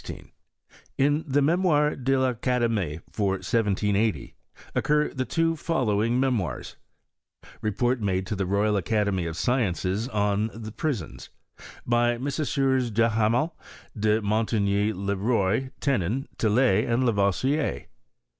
In the Mem. de I'Academie, for 1780, occur the two following memoirs ; Report made to the Royal Academy of Sciences on the Prisons. By Messrs. Duhamel, De Mon tigny, Le Roy, Tenon, Tillet, and Lavoisier.